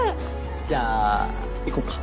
じゃあ行こっか。